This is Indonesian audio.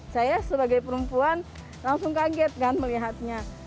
saya sebagai perempuan langsung kaget kan melihatnya